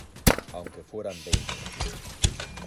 aunque fueran veinte